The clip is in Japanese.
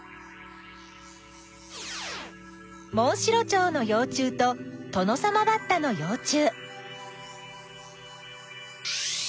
モンシロチョウのよう虫とトノサマバッタのよう虫。